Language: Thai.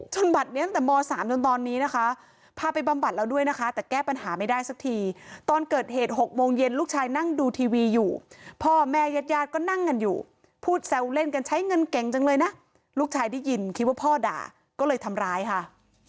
บัตรนี้ตั้งแต่ม๓จนตอนนี้นะคะพาไปบำบัดแล้วด้วยนะคะแต่แก้ปัญหาไม่ได้สักทีตอนเกิดเหตุ๖โมงเย็นลูกชายนั่งดูทีวีอยู่พ่อแม่ญาติญาติก็นั่งกันอยู่พูดแซวเล่นกันใช้เงินเก่งจังเลยนะลูกชายได้ยินคิดว่าพ่อด่าก็เลยทำร้ายค่ะ